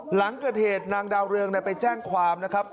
หลังเกิดเหตุนางดาวเรืองไปแจ้งความนะครับ